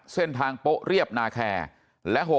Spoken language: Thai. ๕เส้นทางโปะเรียบนาแคร